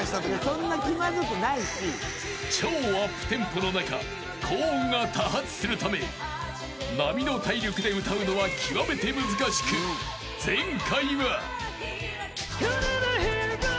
［超アップテンポの中高音が多発するため並の体力で歌うのは極めて難しく前回は］